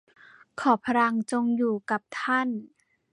ขอพลังจงอยู่กับท่าน